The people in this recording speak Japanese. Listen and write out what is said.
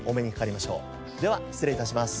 では失礼致します。